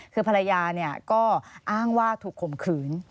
คือภรรยาก็อ้างว่าถูกข่มขืน